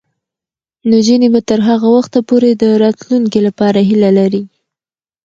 نجونې به تر هغه وخته پورې د راتلونکي لپاره هیله لري.